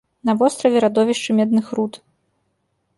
На востраве радовішчы медных руд.